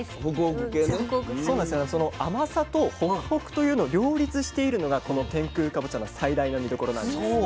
その甘さとホクホクというのを両立しているのがこの天空かぼちゃの最大の見どころなんですね。